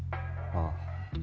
ああ。